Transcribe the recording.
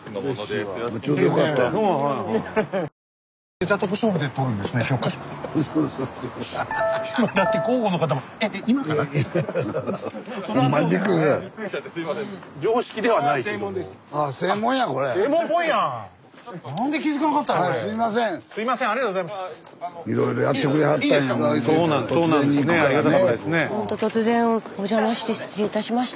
スタジオほんと突然お邪魔して失礼いたしました。